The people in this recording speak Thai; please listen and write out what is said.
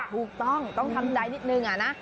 ถูกต้องต้องทำใจนิดนึงอะนะ